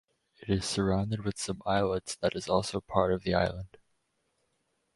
It is surrounded with some islets that is also part of the island.